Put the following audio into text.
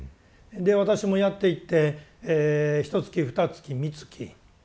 私もやっていってひとつきふたつきみつきたっていきます。